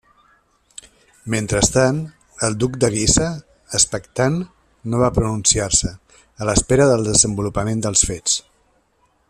Mentrestant, el duc de Guisa, expectant, no va pronunciar-se, a l'espera del desenvolupament dels fets.